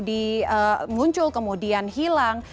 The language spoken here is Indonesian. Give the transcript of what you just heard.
di muncul kemudian hilang